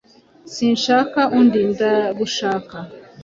Sinshaka undi. Ndagushaka.